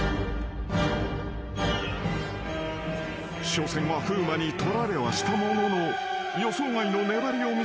［初戦は風磨に取られはしたものの予想外の粘りを見せた向井］